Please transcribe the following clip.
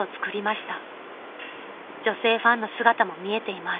［女性ファンの姿も見えています］